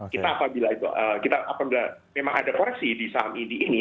kita apabila memang ada koreksi di saham indy ini